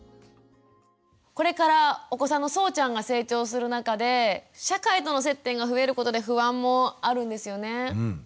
これからお子さんのそうちゃんが成長する中で社会との接点が増えることで不安もあるんですよね？